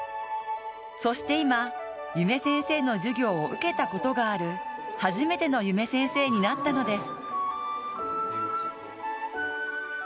そして今、夢先生の授業を受けたことがある初めての夢先生になったのです。